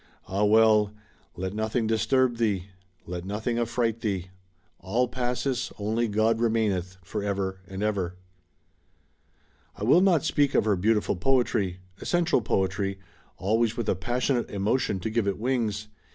Ah, well: Let nothing disturb thee^ Let nothing affright thee. All passes^ Only God remaineth For ever and ever. I will not speak of her beautiful poetry, essential poetry, always with a passionate emotion to give it wings.